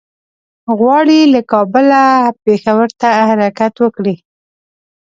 غواړي له کابله پېښور ته حرکت وکړي.